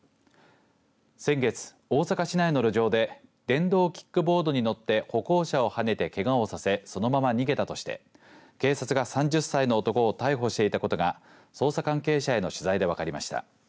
先月、大阪市内の路上で電動キックボードに乗って歩行者をはねてけがをさせそのまま逃げたとして警察が３０歳の男を逮捕していたことが捜査関係者への取材で分かりました。